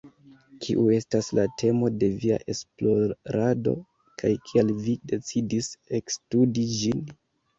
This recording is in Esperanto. Kiu estas la temo de via esplorado kaj kial vi decidis ekstudi ĝin?